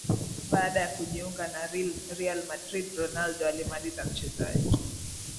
Baada ya kujiunga na Real Madrid Ronaldo alimaliza mchezaji